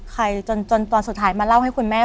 จนตอนสุดท้ายมาเล่าให้คุณแม่